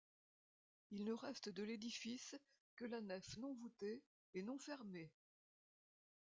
Il ne reste de l'édifice que la nef non-voûtée et non-fermée.